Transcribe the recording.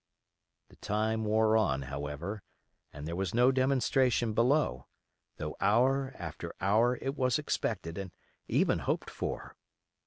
The time wore on, however, and there was no demonstration below, though hour after hour it was expected and even hoped for.